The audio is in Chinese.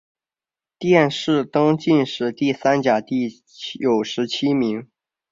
殿试登进士第三甲第九十七名。